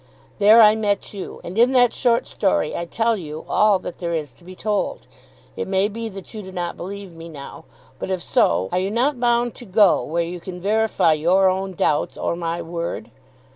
There I met you, and in that short story I tell you all that there is to be told. It may be that you do not believe me now; but if so, are you not bound to go where you can verify your own doubts or my word?